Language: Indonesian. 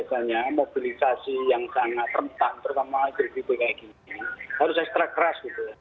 misalnya mobilisasi yang sangat rentang terutama idul fitri seperti ini harus ekstra keras